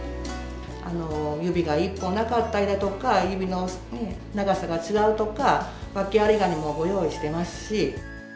指が１本なかったりだとか、指の長さが違うとか、訳ありガニもご用意してますし。